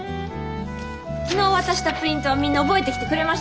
昨日渡したプリントはみんな覚えてきてくれましたか？